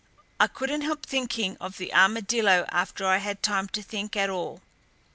I couldn't help thinking of the armadillo after I had time to think at all."